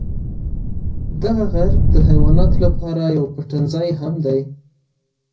ددې غر د حیواناتو لپاره یو پټنځای هم دی.